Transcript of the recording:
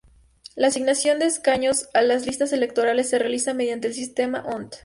La asignación de escaños a las listas electorales se realiza mediante el sistema D'Hondt.